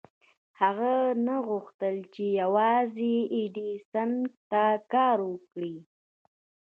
هغه نه غوښتل چې يوازې ايډېسن ته کار وکړي.